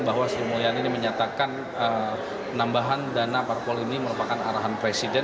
bahwa sri mulyani ini menyatakan nambahan dana parpol ini merupakan arahan presiden